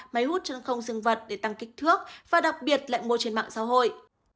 máy hút chân không dừng vật để tăng kích thước và đặc biệt lại mua trên mạng xã hội